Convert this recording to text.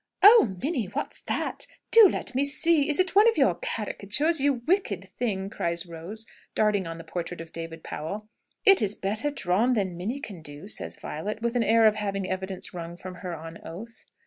"Oh, Minnie, what's that? Do let me see! Is it one of your caricatures, you wicked thing?" cries Rose, darting on the portrait of David Powell. "It's better drawn than Minnie can do," says Violet, with an air of having evidence wrung from her on oath.